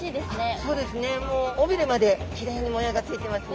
そうですね尾びれまできれいに模様がついてますね。